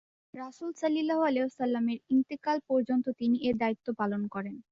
রাসূল সা: এর ইনতিকাল পর্যন্ত তিনি এ দায়িত্ব পালন করেন।